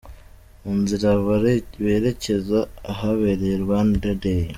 Mu nzira berekeza ahabereye Rwanda Day.